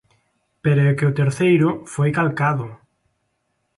Pero é que o terceiro foi calcado.